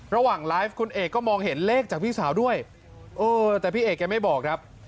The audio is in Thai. ระหว่างไลฟ์คุณเอกก็มองเห็นเลขจากพี่สาวด้วยเออแต่พี่เอกแกไม่บอกครับ